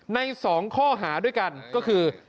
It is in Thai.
ใน๒ข้อหาด้วยกันก็คือ